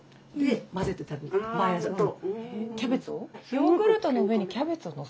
ヨーグルトの上にキャベツをのせるの？